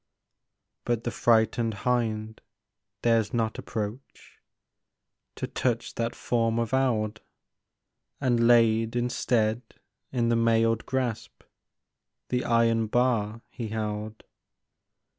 But the frightened hind dares not approach To touch that form of eld, And laid instead in the mailed grasp The iron bar he held.